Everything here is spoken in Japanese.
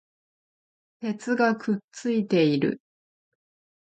鉄がくっついている